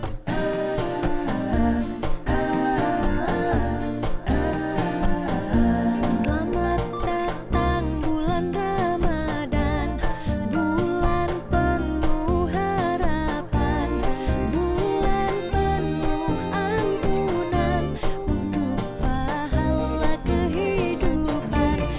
selamat datang bulan ramadhan bulan penuh harapan bulan penuh ampunan untuk pahala kehidupan